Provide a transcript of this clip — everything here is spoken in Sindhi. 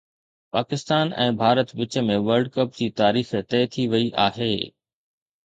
پاڪستان ۽ ڀارت وچ ۾ ورلڊ ڪپ جي تاريخ طئي ٿي وئي آهي